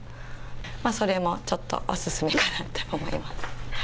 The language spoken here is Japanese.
それもちょっとお勧めかなと思います。